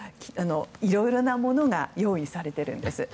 いろいろなものが用意されてるんです。